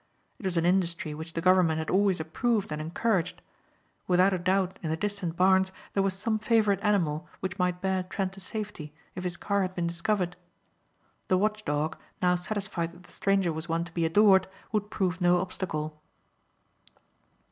It was an industry which the government had always approved and encouraged. Without a doubt in the distant barns there was some favorite animal which might bear Trent to safety if his car had been discovered. The watch dog, now satisfied that the stranger was one to be adored, would prove no obstacle.